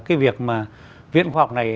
cái việc mà viện khoa học này